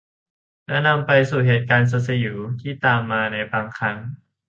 และนำไปสู่เหตุการณ์สุดสยิวที่ตามมาในบางครั้ง